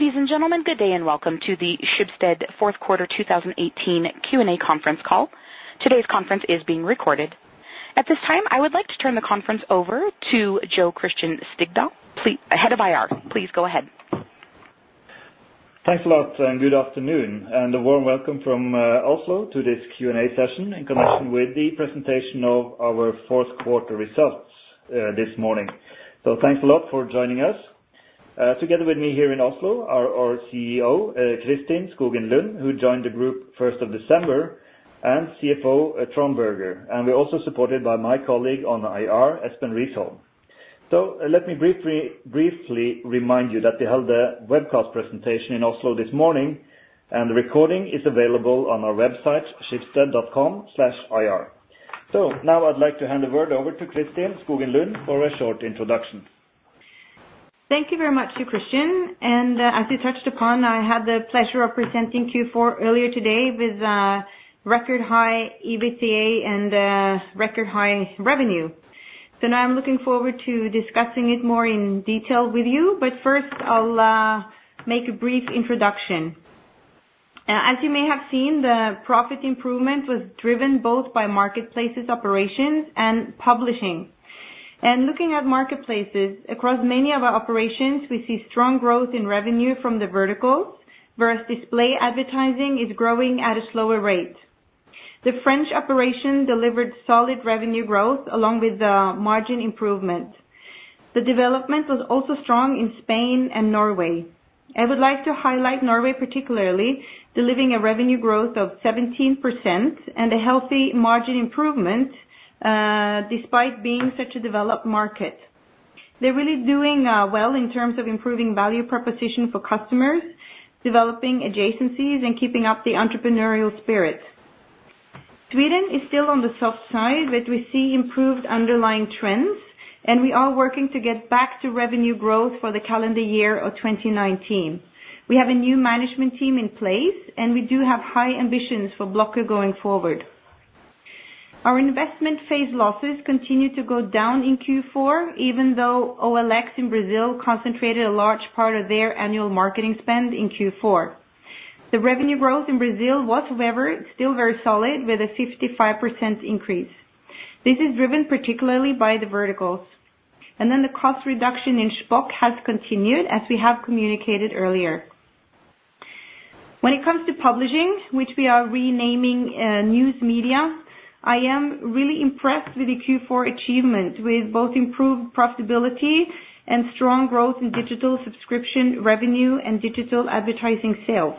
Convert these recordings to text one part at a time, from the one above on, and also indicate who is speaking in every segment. Speaker 1: Ladies and gentlemen, good day and welcome to the Schibsted fourth quarter 2018 Q&A conference call. Today's conference is being recorded. At this time, I would like to turn the conference over to Jo Christian Steigedal, Head of IR. Please go ahead.
Speaker 2: Thanks a lot and good afternoon, and a warm welcome from Oslo to this Q&A session in connection with the presentation of our fourth quarter results, this morning. Thanks a lot for joining us. Together with me here in Oslo are our CEO, Kristin Skogen Lund, who joined the group first of December, and CFO, Trond Berger. We're also supported by my colleague on IR, Espen Ritholm. Let me briefly remind you that we held a webcast presentation in Oslo this morning, and the recording is available on our website, schibsted.com/ir. Now I'd like to hand the word over to Kristin Skogen Lund for a short introduction.
Speaker 3: Thank you very much to Christian. As you touched upon, I had the pleasure of presenting Q4 earlier today with record high EBITDA and record high revenue. Now I'm looking forward to discussing it more in detail with you, but first I'll make a brief introduction. As you may have seen, the profit improvement was driven both by marketplaces operations and publishing. Looking at marketplaces, across many of our operations, we see strong growth in revenue from the verticals, whereas display advertising is growing at a slower rate. The French operation delivered solid revenue growth along with the margin improvement. The development was also strong in Spain and Norway. I would like to highlight Norway, particularly, delivering a revenue growth of 17% and a healthy margin improvement, despite being such a developed market. They're really doing well in terms of improving value proposition for customers, developing adjacencies and keeping up the entrepreneurial spirit. Sweden is still on the soft side, but we see improved underlying trends, and we are working to get back to revenue growth for the calendar year of 2019. We have a new management team in place, and we do have high ambitions for Blocket going forward. Our investment phase losses continued to go down in Q4, even though OLX in Brazil concentrated a large part of their annual marketing spend in Q4. The revenue growth in Brazil was, however, still very solid with a 55% increase. This is driven particularly by the verticals. And then the cost reduction in Shpock has continued, as we have communicated earlier. When it comes to publishing, which we are renaming, News Media, I am really impressed with the Q4 achievement, with both improved profitability and strong growth in digital subscription revenue and digital advertising sales.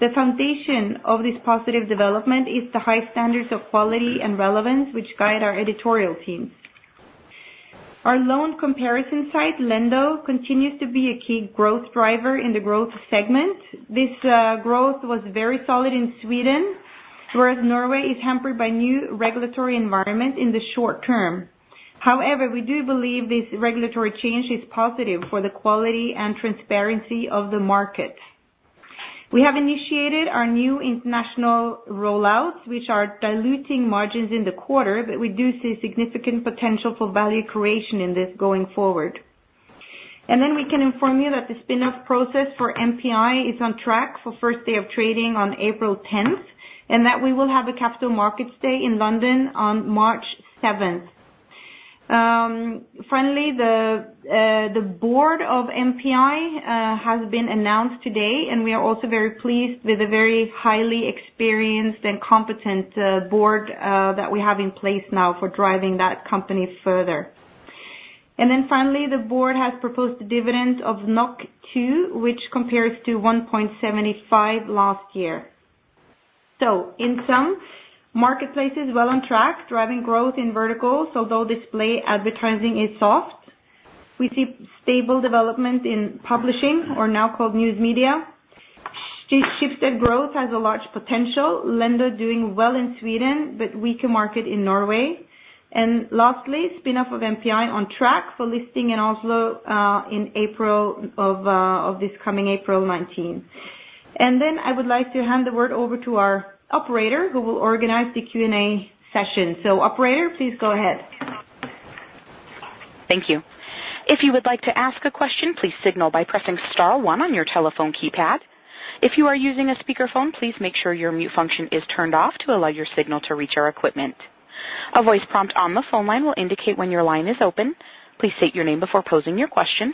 Speaker 3: The foundation of this positive development is the high standards of quality and relevance which guide our editorial teams. Our loan comparison site, Lendo, continues to be a key growth driver in the growth segment. This growth was very solid in Sweden, whereas Norway is hampered by new regulatory environment in the short term. However, we do believe this regulatory change is positive for the quality and transparency of the market. We have initiated our new international rollouts, which are diluting margins in the quarter, but we do see significant potential for value creation in this going forward. We can inform you that the spin-off process for MPI is on track for first day of trading on April 10th, and that we will have a capital markets day in London on March 7th. Finally, the board of MPI has been announced today, and we are also very pleased with the very highly experienced and competent board that we have in place now for driving that company further. Finally, the board has proposed a dividend of 2, which compares to 1.75 last year. In sum, marketplace is well on track, driving growth in verticals, although display advertising is soft. We see stable development in publishing or now called News Media. Schibsted growth has a large potential. Lendo doing well in Sweden, but weaker market in Norway. Lastly, spin off of MPI on track for listing in Oslo, in April of this coming April 19. I would like to hand the word over to our operator who will organize the Q&A session. Operator, please go ahead.
Speaker 1: Thank you. If you would like to ask a question, please signal by pressing star one on your telephone keypad. If you are using a speakerphone, please make sure your mute function is turned off to allow your signal to reach our equipment. A voice prompt on the phone line will indicate when your line is open. Please state your name before posing your question.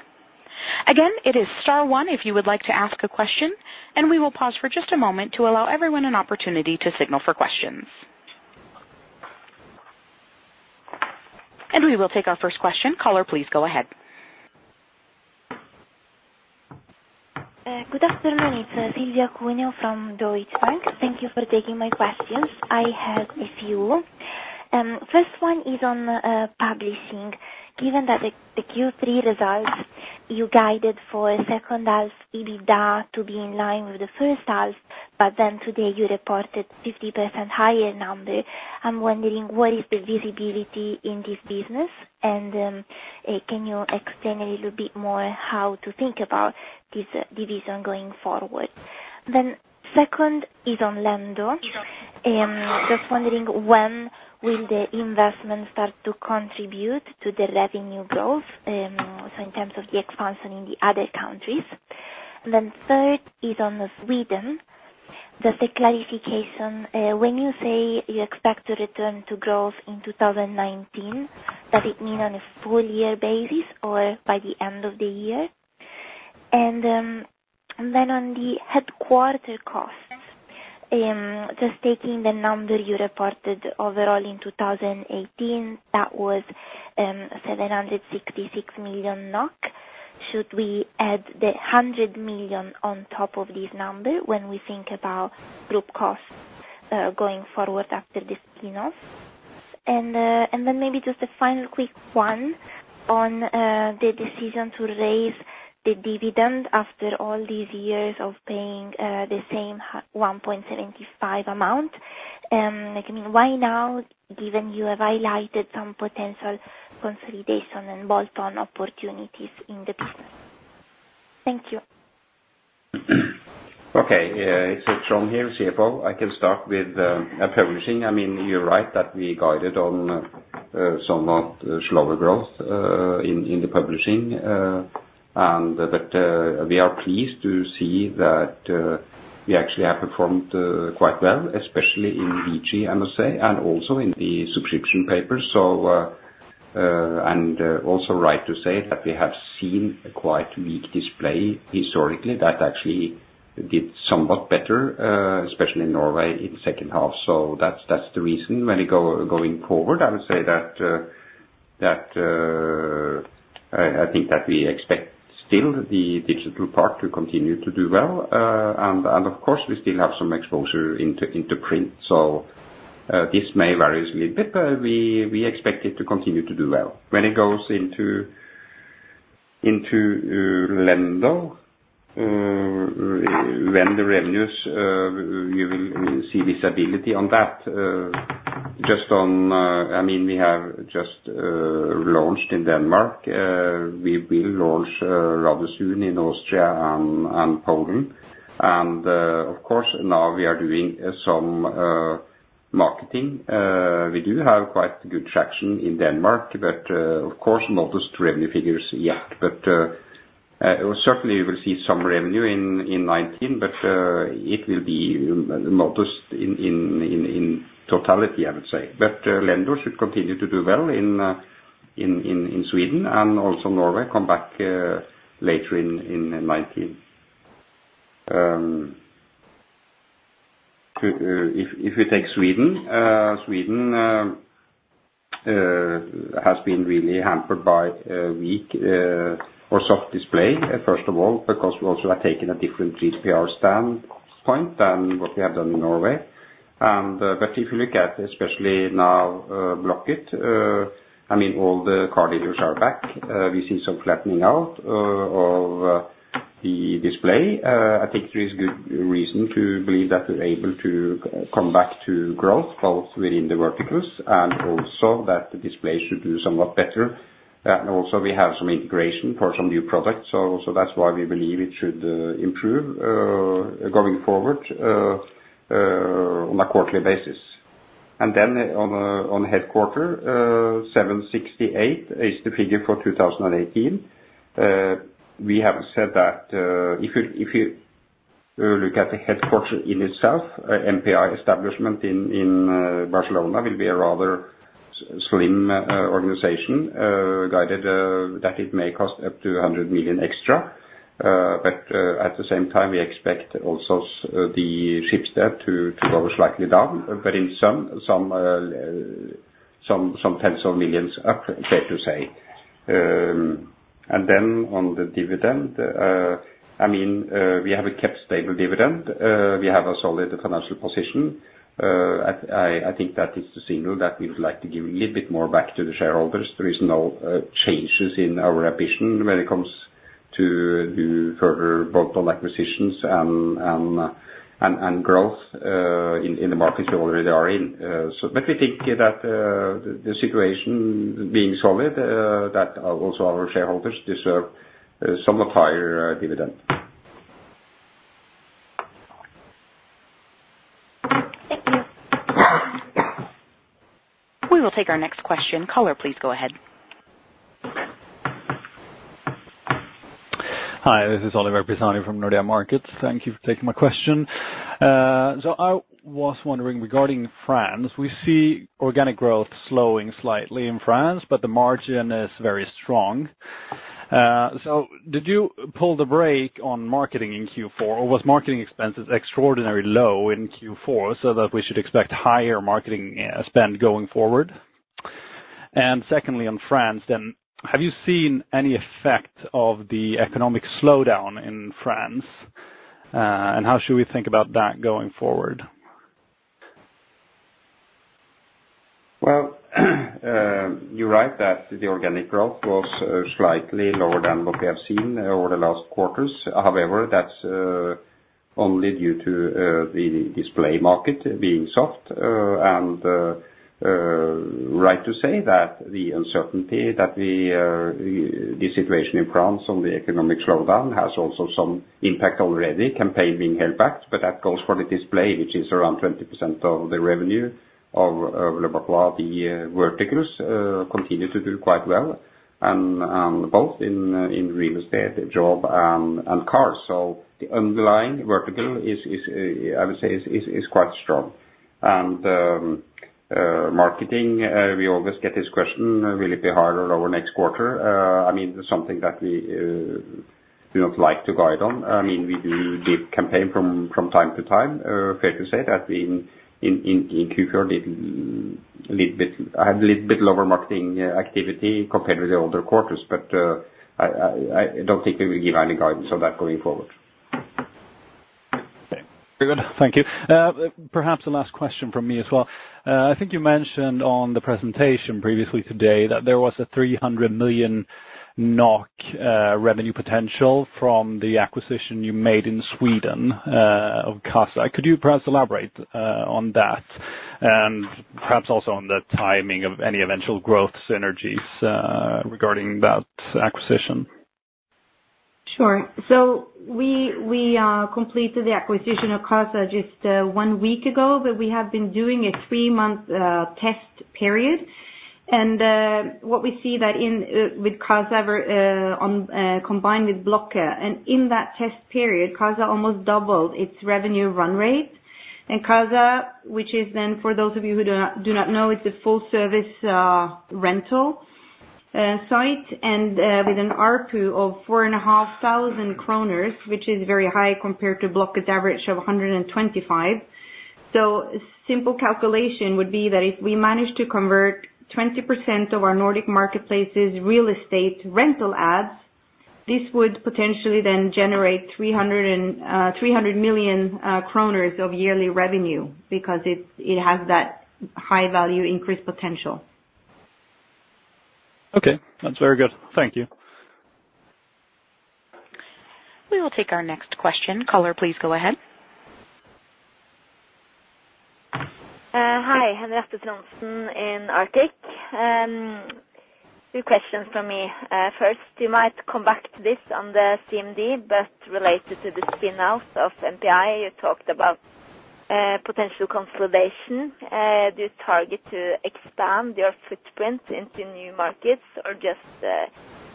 Speaker 1: Again, it is star one if you would like to ask a question, and we will pause for just a moment to allow everyone an opportunity to signal for questions. We will take our first question. Caller, please go ahead.
Speaker 4: Good afternoon. It's Silvia Cuneo from Deutsche Bank. Thank you for taking my questions. I have a few. First one is on publishing. Given that the Q3 results you guided for second half EBITDA to be in line with the first half, but then today you reported 50% higher number. I'm wondering what is the visibility in this business, and can you explain a little bit more how to think about this division going forward? Second is on Lendo. Just wondering when will the investment start to contribute to the revenue growth, so in terms of the expansion in the other countries. Third is on Sweden. Just a clarification, when you say you expect to return to growth in 2019, does it mean on a full year basis or by the end of the year? On the headquarter costs, just taking the number you reported overall in 2018, that was 766 million NOK. Should we add 100 million on top of this number when we think about group costs going forward after the spin-off? Maybe just a final quick one on the decision to raise the dividend after all these years of paying the same 1.75 amount. I mean, why now given you have highlighted some potential consolidation and bolt-on opportunities in the business? Thank you.
Speaker 5: It's Trond here, CFO. I can start with publishing. I mean, you're right that we guided on somewhat slower growth in the publishing, that we are pleased to see that we actually have performed quite well, especially in VG, I must say, and also in the subscription papers. Also right to say that we have seen a quite weak display historically that actually did somewhat better, especially in Norway in the second half, so that's the reason. Going forward, I would say that, I think that we expect still the digital part to continue to do well. Of course, we still have some exposure into print. This may variously, but we expect it to continue to do well. When it goes into Lendo, when the revenues, we see visibility on that. Just on, I mean, we have just launched in Denmark. We will launch rather soon in Austria and Poland. Of course, now we are doing some marketing. We do have quite good traction in Denmark, but of course, modest revenue figures yet. Certainly we'll see some revenue in 2019, but it will be modest in totality, I would say. Lendo should continue to do well in Sweden and also Norway come back later in 2019. If we take Sweden has been really hampered by a weak or soft display, first of all, because we also have taken a different GDPR standpoint than what we have done in Norway. If you look at, especially now, Blocket, I mean, all the car dealers are back. We've seen some flattening out of the display. I think there is good reason to believe that we're able to come back to growth both within the verticals and also that the display should do somewhat better. Also we have some integration for some new products. That's why we believe it should improve going forward on a quarterly basis. On headquarter, 768 is the figure for 2018. We have said that, if you look at the headquarter in itself, MPI establishment in Barcelona will be a rather slim organization, guided, that it may cost up to 100 million extra. At the same time, we expect also the Schibsted to go slightly down, but in some SEK tens of millions up, safe to say. Then on the dividend, I mean, we have kept stable dividend. We have a solid financial position. I think that is the signal that we would like to give a little bit more back to the shareholders. There is no changes in our ambition when it comes to do further bolt-on acquisitions and growth in the markets we already are in. We think that the situation being solid, that also our shareholders deserve somewhat higher dividend.
Speaker 4: Thank you.
Speaker 1: We will take our next question. Caller, please go ahead.
Speaker 6: Hi, this is Oliver Pisani from Nordea Markets. Thank you for taking my question. I was wondering regarding France, we see organic growth slowing slightly in France, but the margin is very strong. Did you pull the brake on marketing in Q4, or was marketing expenses extraordinarily low in Q4 so that we should expect higher marketing, spend going forward? Secondly, on France then, have you seen any effect of the economic slowdown in France, and how should we think about that going forward?
Speaker 5: You're right that the organic growth was slightly lower than what we have seen over the last quarters. That's only due to the display market being soft and right to say that the uncertainty that the situation in France on the economic slowdown has also some impact already, campaign being held back. That goes for the display, which is around 20% of the revenue of leboncoin. The verticals continue to do quite well both in real estate, job and cars. The underlying vertical I would say is quite strong. Marketing, we always get this question, will it be harder over the next quarter? I mean, something that we do not like to guide on. I mean, we do give campaign from time to time. fair to say that in Q4 did a little bit lower marketing activity compared with the older quarters. I don't think we will give any guidance on that going forward.
Speaker 6: Okay very good. Thank you. Perhaps a last question from me as well. I think you mentioned on the presentation previously today that there was a 300 million NOK revenue potential from the acquisition you made in Sweden of Qasa. Could you perhaps elaborate on that and perhaps also on the timing of any eventual growth synergies regarding that acquisition?
Speaker 3: Sure. We completed the acquisition of Qasa just one week ago, but we have been doing a three-month test period. What we see that in with Qasa combined with Blocket, in that test period, Qasa almost doubled its revenue run rate. Qasa, which is then for those of you who do not know, it's a full service rental site with an ARPU of 4,500 kronor, which is very high compared to Blocket's average of 125. Simple calculation would be that if we manage to convert 20% of our Nordic marketplaces real estate rental ads, this would potentially then generate 300 million kronor of yearly revenue because it has that high value increase potential.
Speaker 6: Okay. That's very good. Thank you.
Speaker 1: We will take our next question. Caller, please go ahead.
Speaker 7: Hi. Henriette Johnsen in Arctic. Two questions from me. First, you might come back to this on the CMD, but related to the spin out of MPI, you talked about potential consolidation. Do you target to expand your footprint into new markets or just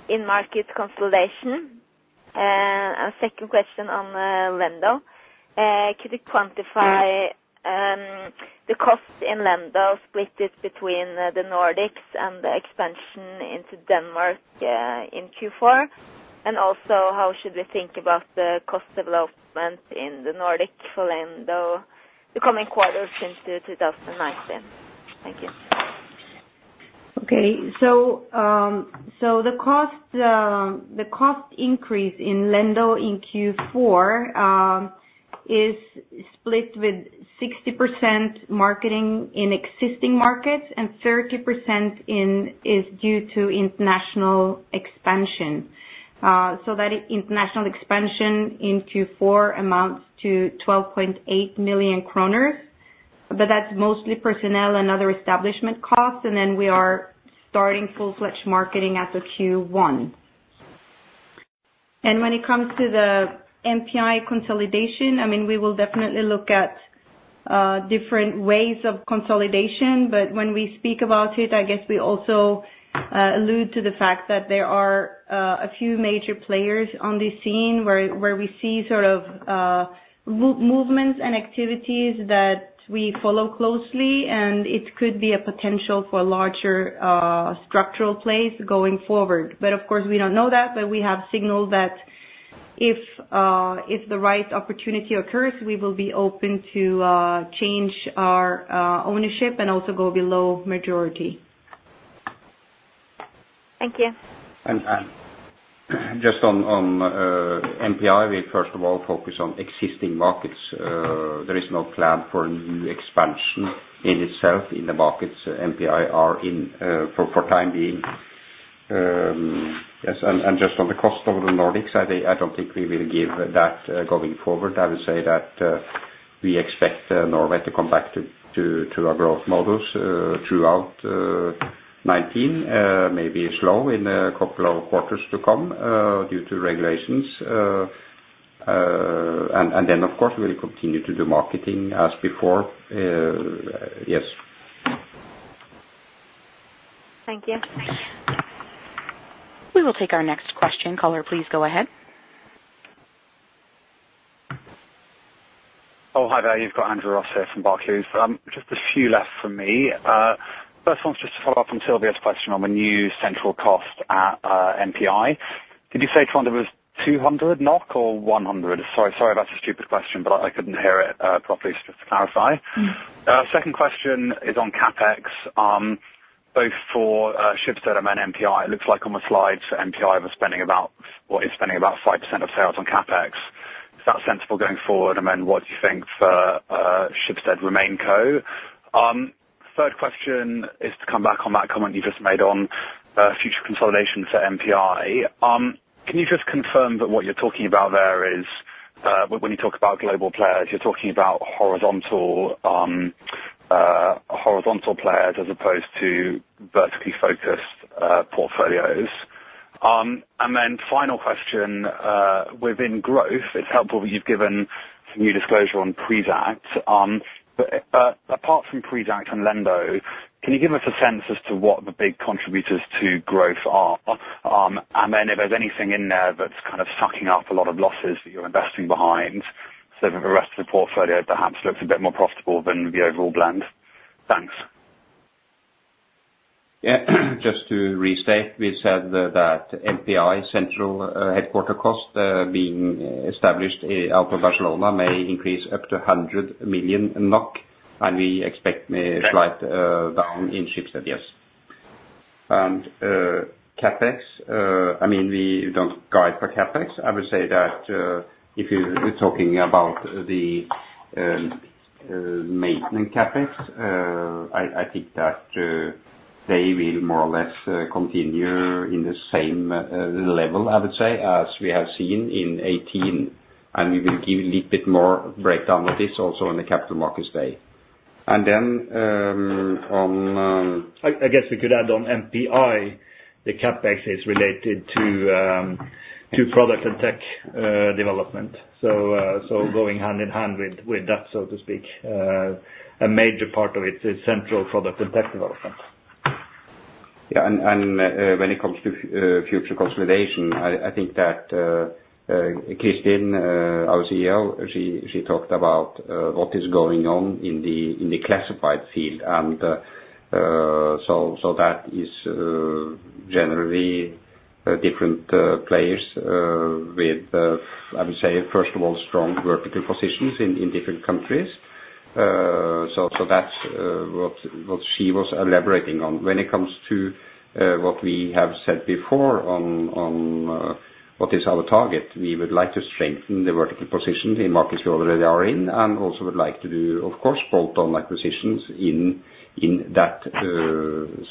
Speaker 7: in-market consolidation? Second question on Lendo. Could you quantify the cost in Lendo split it between the Nordics and the expansion into Denmark in Q4? Also, how should we think about the cost development in the Nordics for Lendo the coming quarters since 2019? Thank you.
Speaker 3: The cost increase in Lendo in Q4 is split with 60% marketing in existing markets and 30% is due to international expansion. That international expansion in Q4 amounts to 12.8 million kronor, that's mostly personnel and other establishment costs. We are starting full-fledged marketing as of Q1. When it comes to the MPI consolidation, I mean, we will definitely look at different ways of consolidation. When we speak about it, I guess we also allude to the fact that there are a few major players on the scene where we see sort of movements and activities that we follow closely, and it could be a potential for larger structural plays going forward. Of course, we don't know that. We have signaled that if the right opportunity occurs, we will be open to change our ownership and also go below majority.
Speaker 7: Thank you.
Speaker 5: Just on MPI, we first of all focus on existing markets. There is no plan for new expansion in itself in the markets MPI are in, for time being. Yes. Just on the cost of the Nordics, I don't think we will give that going forward. I will say that we expect Norway to come back to our growth models, throughout 2019. Maybe slow in a couple of quarters to come, due to regulations. Then, of course, we'll continue to do marketing as before, yes.
Speaker 7: Thank you.
Speaker 1: We will take our next question. Caller, please go ahead.
Speaker 8: Hi there. You've got Andrew Ross here from Barclays. Just a few left from me. First one's just to follow up on Silvia's question on the new central cost at MPI. Did you say Trond it was 200 NOK or 100? Sorry if that's a stupid question, but I couldn't hear it properly. Just to clarify. Second question is on CapEx, both for Schibsted and MPI. It looks like on the slides, MPI was spending about or is spending about 5% of sales on CapEx. Is that sensible going forward? What do you think for Schibsted? Third question is to come back on that comment you just made on future consolidation to MPI. Can you just confirm that what you're talking about there is, when you talk about global players, you're talking about horizontal players as opposed to vertically focused, portfolios? Final question, within growth, it's helpful that you've given some new disclosure on Prisjakt. Apart from Prisjakt and Lendo, can you give us a sense as to what the big contributors to growth are? If there's anything in there that's kind of sucking up a lot of losses that you're investing behind, so the rest of the portfolio perhaps looks a bit more profitable than the overall blend. Thanks.
Speaker 5: Yeah. Just to restate, we said that MPI central headquarter cost being established out of Barcelona may increase up to 100 million NOK, and we expect may slight down in Schibsted. Yes. CapEx, I mean, we don't guide for CapEx. I would say that if you're talking about the maintenance CapEx, I think that they will more or less continue in the same level, I would say, as we have seen in 2018. We will give a little bit more breakdown of this also in the capital markets day. On.
Speaker 2: I guess we could add on MPI, the CapEx is related to product and tech development. Going hand-in-hand with that, so to speak, a major part of it is central product and tech development.
Speaker 5: Yeah. When it comes to future consolidation, I think that Kristin, our CEO, she talked about what is going on in the classified field. So that is generally different players with I would say first of all, strong vertical positions in different countries. So that's what she was elaborating on. When it comes to what we have said before on what is our target, we would like to strengthen the vertical position in markets we already are in, and also would like to do, of course, bolt-on acquisitions in that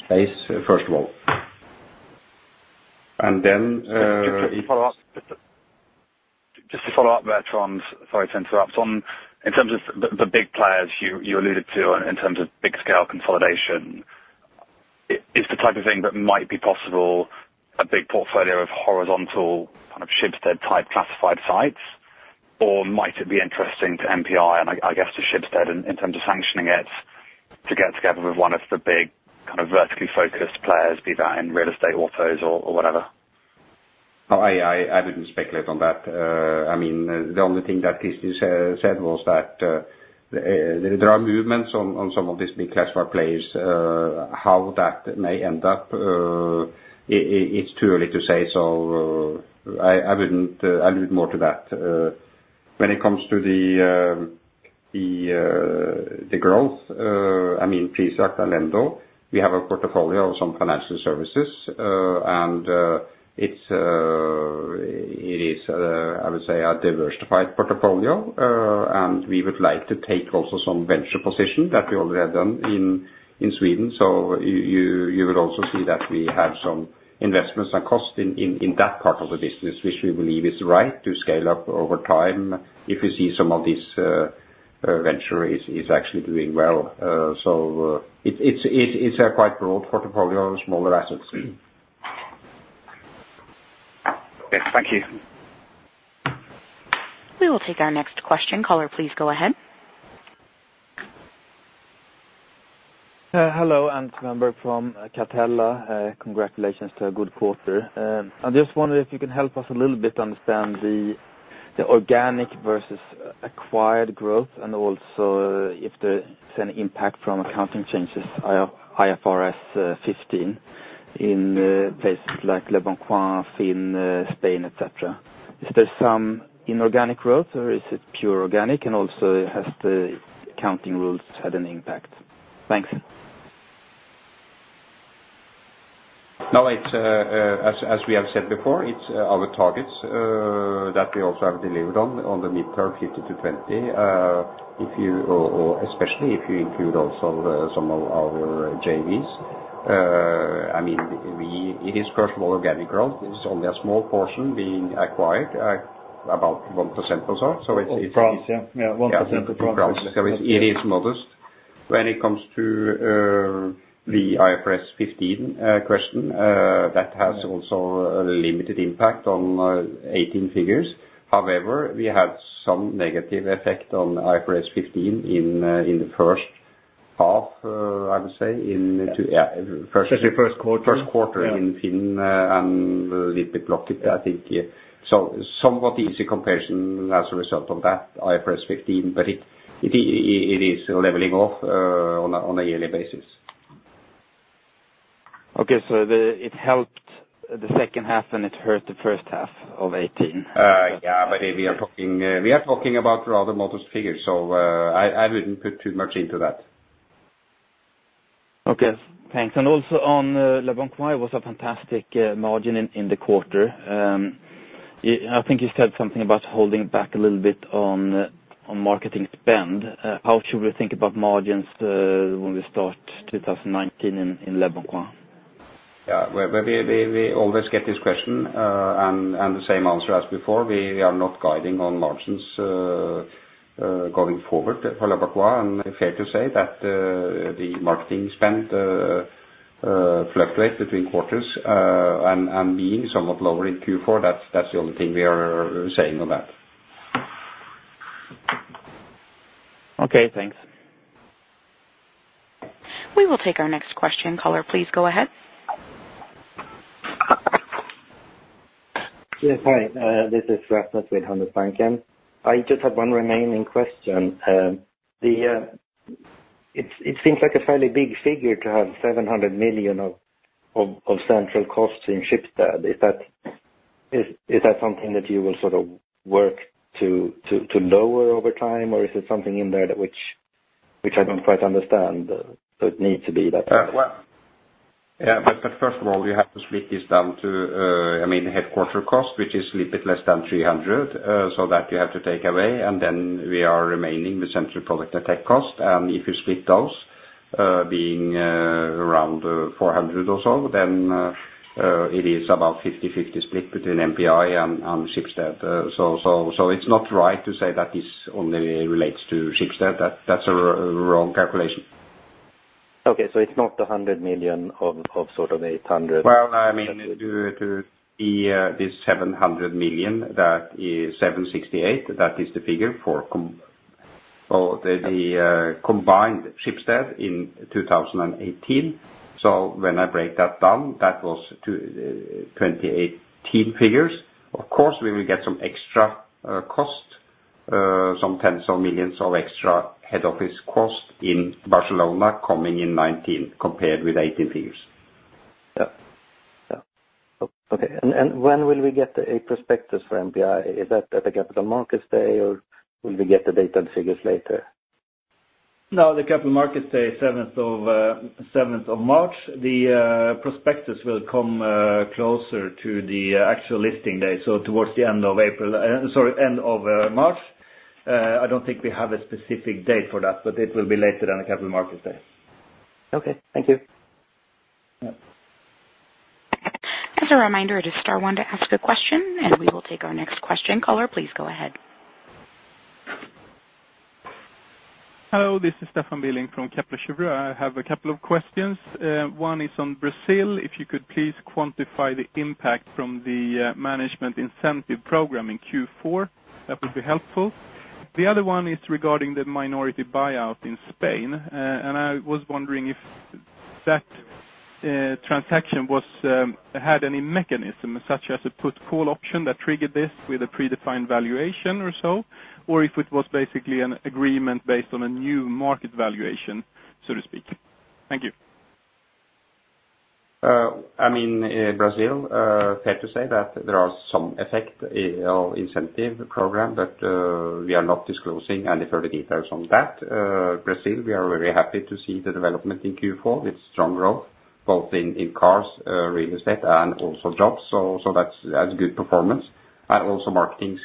Speaker 5: space, first of all. Then.
Speaker 8: Just to follow up there, Trond. Sorry to interrupt. In terms of the big players you alluded to in terms of big scale consolidation, is the type of thing that might be possible a big portfolio of horizontal kind of Schibsted type classified sites, or might it be interesting to MPI and I guess, to Schibsted in terms of sanctioning it to get together with one of the big kind of vertically focused players, be that in real estate, autos or whatever?
Speaker 5: I didn't speculate on that. I mean, the only thing that Kristin said was that there are movements on some of these big classified players. How that may end up, it's too early to say. I wouldn't allude more to that. When it comes to the growth, I mean, Prisjakt and Lendo, we have a portfolio of some financial services, and it's it is I would say a diversified portfolio. We would like to take also some venture position that we already have done in Sweden. You would also see that we have some investments and cost in that part of the business, which we believe is right to scale up over time if you see some of this venture is actually doing well. It's a quite broad portfolio of smaller assets.
Speaker 8: Yes. Thank you.
Speaker 1: We will take our next question. Caller, please go ahead.
Speaker 9: Hello, Hans Rosenberg from Catella. Congratulations to a good quarter. I just wondered if you can help us a little bit understand the organic versus acquired growth and also if there is any impact from accounting changes, IFRS 15 in places like leboncoin, FINN.no, Spain, et cetera. Is there some inorganic growth or is it pure organic? Also has the accounting rules had an impact? Thanks.
Speaker 5: No, it's, as we have said before, it's our targets, that we also have delivered on the midterm 50-20. If you or especially if you include also, some of our JVs. I mean, It is first of all organic growth. It's only a small portion being acquired, about 1% or so.
Speaker 2: Of France, yeah. Yeah. 1% of France.
Speaker 5: Of France. It is modest. When it comes to the IFRS 15 question, that has also a limited impact on 18 figures. However, we have some negative effect on IFRS 15 in the first half, I would say.
Speaker 2: First quarter.
Speaker 5: First quarter in FINN.no, and a little bit of it, I think. Somewhat easy comparison as a result of that IFRS 15, but it is leveling off on a yearly basis.
Speaker 9: Okay. It helped the second half and it hurt the first half of 2018.
Speaker 5: Yeah, we are talking about rather modest figures. I wouldn't put too much into that.
Speaker 9: Okay, thanks. Also, on leboncoin was a fantastic margin in the quarter. I think you said something about holding back a little bit on marketing spend. How should we think about margins when we start 2019 in leboncoin?
Speaker 5: Yeah. Well, we always get this question, and the same answer as before. We are not guiding on margins going forward for leboncoin. Fair to say that the marketing spend fluctuates between quarters, and being somewhat lower in Q4. That's the only thing we are saying on that.
Speaker 10: Okay thanks.
Speaker 1: We will take our next question. Caller, please go ahead.
Speaker 11: Yes. Hi, this is Rasmus with Handelsbanken. I just have one remaining question. It seems like a fairly big figure to have 700 million of central costs in Schibsted. Is that something that you will sort of work to lower over time? Or is there something in there that which I don't quite understand, so it needs to be that way?
Speaker 5: Well, yeah. But first of all, you have to split this down to, I mean, headquarter cost, which is a bit less than 300, so that you have to take away. Then we are remaining with central product and tech cost. If you split those, being around 400 or so, then it is about 50/50 split between MPI and Schibsted. So it's not right to say that this only relates to Schibsted. That's a wrong calculation.
Speaker 11: Okay. it's not 100 million of sort of 800...
Speaker 5: Well, I mean, due to the, this 700 million that is 768 million, that is the figure for combined Schibsted in 2018. When I break that down, that was 2018 figures. Of course, we will get some extra cost, some SEK tens of millions of extra head office cost in Barcelona coming in 2019 compared with 2018 figures.
Speaker 11: Yeah. Yeah. Okay. When will we get a prospectus for MPI? Is that at the Capital Markets Day, or will we get the data and figures later?
Speaker 5: The Capital Markets Day, seventh of March. The prospectus will come closer to the actual listing day, so towards the end of April. Sorry, end of March. I don't think we have a specific date for that, but it will be later than the Capital Markets Day.
Speaker 11: Okay, thank you.
Speaker 5: Yeah.
Speaker 1: As a reminder, it is star one to ask a question. We will take our next question. Caller, please go ahead.
Speaker 12: Hello, this is Stefan Billing from Kepler Cheuvreux. I have a couple of questions. One is on Brazil. If you could please quantify the impact from the management incentive program in Q4, that would be helpful. The other one is regarding the minority buyout in Spain. I was wondering if that transaction was had any mechanism, such as a put call option that triggered this with a predefined valuation or so, or if it was basically an agreement based on a new market valuation, so to speak. Thank you.
Speaker 5: I mean, Brazil, fair to say that there are some effect in our incentive program. We are not disclosing any further details on that. Brazil, we are very happy to see the development in Q4 with strong growth both in cars, real estate and also jobs. That's good performance. Also, marketings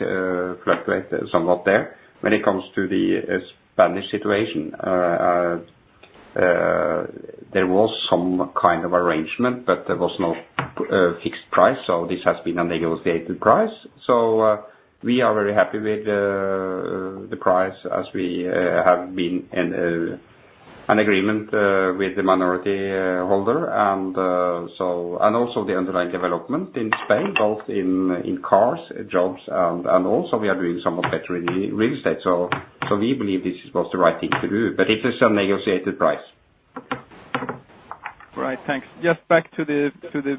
Speaker 5: fluctuate somewhat there. When it comes to the Spanish situation, there was some kind of arrangement, but there was no fixed price, so this has been a negotiated price. We are very happy with the price as we have been in an agreement with the minority holder. Also, the underlying development in Spain, both in cars, jobs and also we are doing some of that real estate. We believe this was the right thing to do, but it is a negotiated price.
Speaker 12: All right, thanks. Just back to the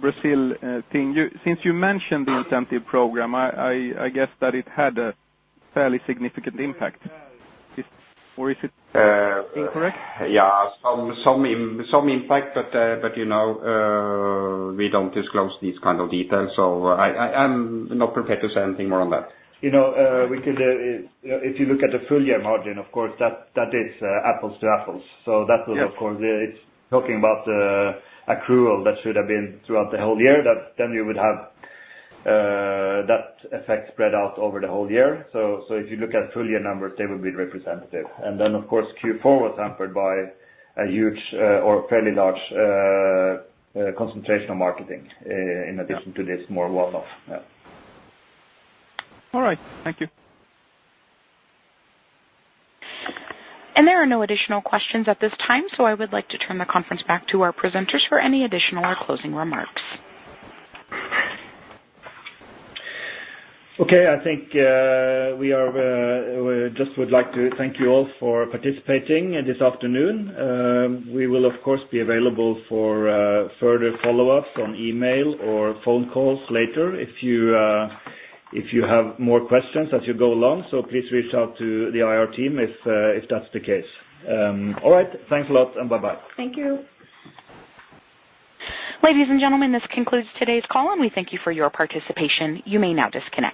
Speaker 12: Brazil thing. Since you mentioned the incentive program, I guess that it had a fairly significant impact. Or is it incorrect?
Speaker 5: Yeah. Some impact, you know, we don't disclose these kind of details. I'm not prepared to say anything more on that.
Speaker 2: You know we could, if you look at the full year margin, of course that is apples to apples. That will of course.
Speaker 12: Yes.
Speaker 2: It's talking about accrual that should have been throughout the whole year that then you would have that effect spread out over the whole year. If you look at full year numbers, they would be representative. Of course Q4 was hampered by a huge or fairly large concentration of marketing in addition to this more one-off. Yeah.
Speaker 12: All right. Thank you.
Speaker 1: There are no additional questions at this time, so I would like to turn the conference back to our presenters for any additional or closing remarks.
Speaker 5: Okay. I think, we are, we just would like to thank you all for participating this afternoon. We will of course be available for further follow-ups on email or phone calls later if you, if you have more questions as you go along. Please reach out to the IR team if that's the case. All right. Thanks a lot and bye-bye.
Speaker 2: Thank you.
Speaker 1: Ladies and gentlemen, this concludes today's call and we thank you for your participation. You may now disconnect.